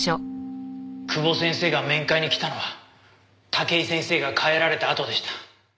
久保先生が面会に来たのは武井先生が帰られたあとでした。